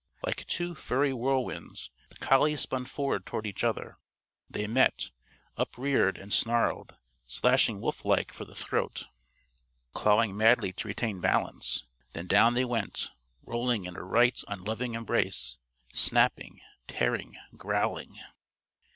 Like two furry whirlwinds the collies spun forward toward each other. They met, upreared and snarled, slashing wolf like for the throat, clawing madly to retain balance. Then down they went, rolling in a right unloving embrace, snapping, tearing, growling.